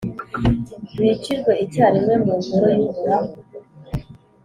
bicirwe icyarimwe mu Ngoro y’Uhoraho?